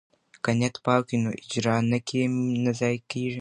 که نیت پاک وي نو اجر نه ضایع کیږي.